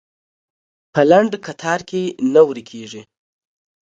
په لنډ کتار کې نه ورکېږي.